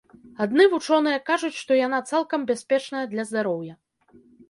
Адны вучоныя кажуць, што яна цалкам бяспечная для здароўя.